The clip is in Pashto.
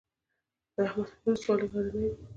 د احمد خیل ولسوالۍ غرنۍ ده